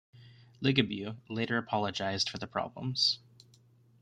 Ligabue later apologised for the problems.